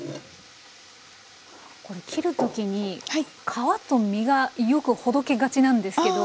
これ切る時に皮と身がよくほどけがちなんですけど。